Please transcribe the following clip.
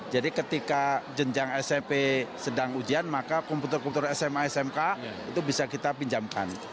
jadi ketika jenjang smp sedang ujian maka komputer komputer sma smk itu bisa kita pinjamkan